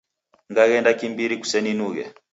Ngaghenda kimbiri, kuseninughe.